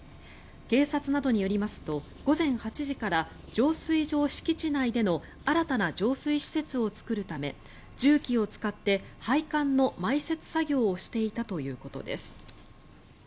警察などによりますと午前８時から浄水場敷地内での新たな浄水施設を作るため重機を使って配管の埋設作業をしていたということです。